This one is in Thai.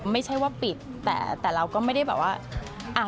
ไม่ใช่ว่าปิดแต่เราก็ไม่ได้แบบว่า